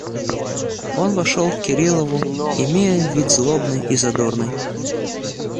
Он вошел к Кириллову, имея вид злобный и задорный.